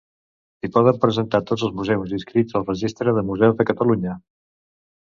S'hi poden presentar tots els museus inscrits al Registre de Museus de Catalunya.